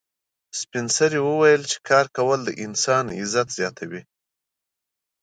سپین سرې وویل چې کار کول د انسان عزت زیاتوي.